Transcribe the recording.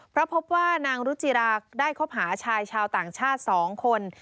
เพราะพบว่านางรุจิราได้คบหาชายชาวต่างชาติ๒คน